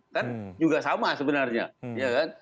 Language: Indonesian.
kan juga sama sebenarnya ya kan